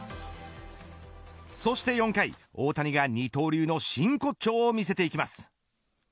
そして４回、大谷が二刀流の真骨頂を見せていきます。